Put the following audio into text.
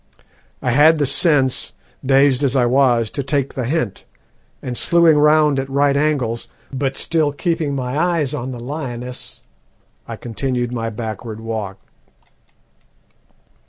"I had the sense, dazed as I was, to take the hint, and slewing round at right angles, but still keeping my eyes on the lioness, I continued my backward walk.